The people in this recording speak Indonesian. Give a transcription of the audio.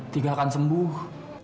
tika akan sembuh